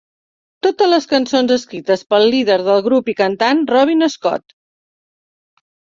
Totes les cançons escrites pel líder del grup i cantant Robin Scott.